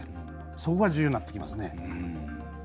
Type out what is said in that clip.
そこが重要になってきますね。